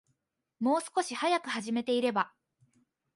もう少し早く始めていれば